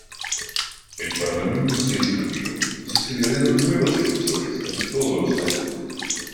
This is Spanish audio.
El Parlamento se disolvió y se celebraron nuevas elecciones casi todos los años.